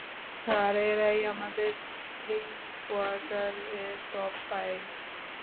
Sir, এরাই আমাদের এই কোয়ার্টার এর টপ পাইলট।